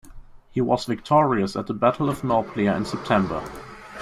He was victorious at the Battle of Nauplia in September.